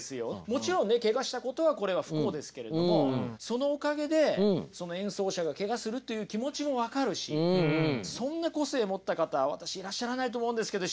もちろんねケガしたことはこれは不幸ですけれどもそのおかげで演奏者がケガするという気持ちも分かるしそんな個性持った方は私いらっしゃらないと思うんですけど